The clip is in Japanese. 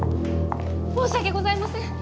申し訳ございません。